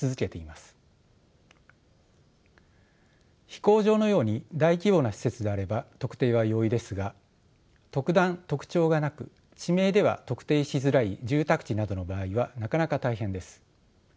飛行場のように大規模な施設であれば特定は容易ですが特段特徴がなく地名では特定しづらい住宅地などの場合はなかなか大変です。